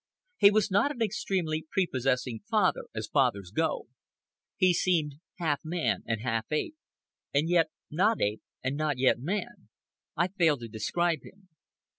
He was not an extremely prepossessing father, as fathers go. He seemed half man, and half ape, and yet not ape, and not yet man. I fail to describe him.